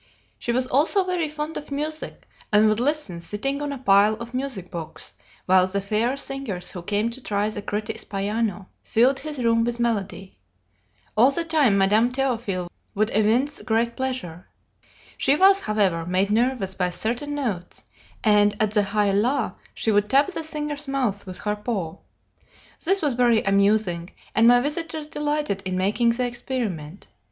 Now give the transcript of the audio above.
She was also very fond of music, and would listen, sitting on a pile of music books, while the fair singers who came to try the critic's piano filled his room with melody. All the time Madame Théophile would evince great pleasure. She was, however, made nervous by certain notes, and at the high la she would tap the singer's mouth with her paw. This was very amusing, and my visitors delighted in making the experiment.